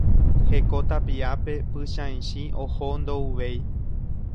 Heko tapiápe Pychãichi oho ndouvéi.